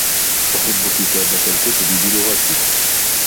أحبّ كتابة الكتب بلغتي.